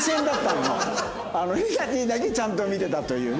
りなてぃだけちゃんと見てたというね。